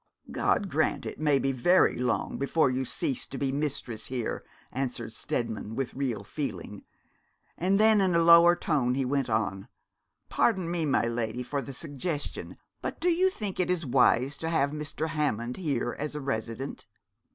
'God grant it may be very long before you cease to be mistress here,' answered Steadman, with real feeling; and then in a lower tone he went on: 'Pardon me, my lady, for the suggestion, but do you think it wise to have Mr. Hammond here as a resident?'